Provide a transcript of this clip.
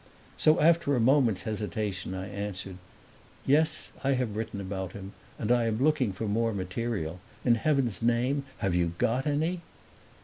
So after a moment's hesitation I answered, "Yes, I have written about him and I am looking for more material. In heaven's name have you got any?"